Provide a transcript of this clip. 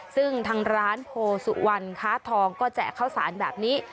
ซึ่งทางร้านโพสุวรรณค้าทองก็แจกข้าวสารแบบนี้